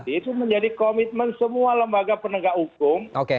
itu menjadi komitmen semua lembaga penegak hukum